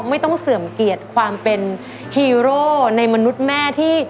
ไม่ต้องเสื่อมเกียรติความเป็นฮีโร่ในมนุษย์แม่ที่